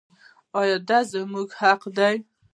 آیا دا زموږ حق دی؟